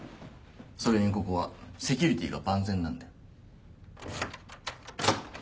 それにここはセキュリティーが万全なんで。